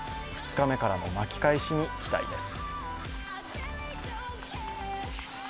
２日目からの巻き返しに期待です。